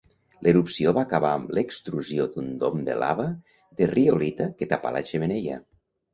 L'erupció va acabar amb l'extrusió d'un dom de lava de riolita que tapà la xemeneia.